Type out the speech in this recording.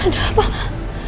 ada apa mbak